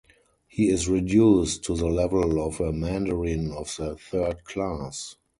He is reduced to the level of a mandarin of the third class.